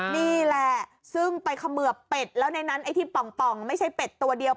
นี่แหละซึ่งไปเขมือบเป็ดแล้วในนั้นไอ้ที่ป่องไม่ใช่เป็ดตัวเดียว